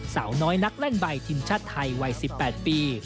สาวน้อยนักเล่นใบทีมชาติไทยวัย๑๘ปี